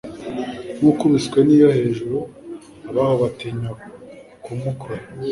Nk'ukubiswe n'iyo hejuru, abaho batinya kumukora,